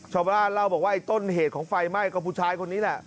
ชาวบ้านเล่าบอกว่าไอ้ต้นเหตุของไฟไหม้ก็ผู้ชายคนนี้แหละ